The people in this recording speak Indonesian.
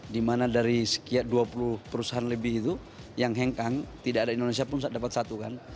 dimana dari sekian dua puluh perusahaan lebih itu yang hengkang tidak ada indonesia pun dapat satu kan